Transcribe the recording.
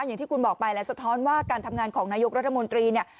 อย่างที่คุณบอกไปแล้วสะท้อนว่าการทำงานของนายกรัฐมนตรีเนี่ย